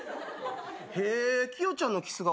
へえきよちゃんのキス顔